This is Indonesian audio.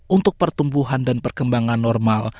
untuk pertumbuhan dan perkembangan normal